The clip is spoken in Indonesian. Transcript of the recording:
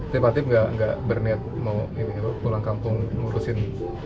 tapi pak hatip enggak berniat mau pulang kampung ngurusin